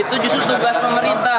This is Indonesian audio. itu justru tugas pemerintah